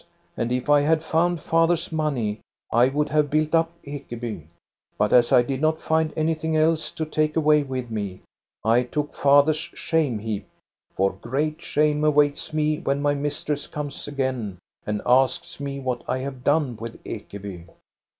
And if I had found father's money, I would have built up Ekeby. But as I did not find anything else to take away with me, I took father's shame heap ; for great shame awaits me when my mistress comes again and asks me what I have done with Ekeby.'